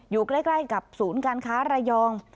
อยู่ใกล้กับศูนย์การค้าระยอง